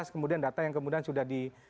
enam belas kemudian data yang kemudian sudah di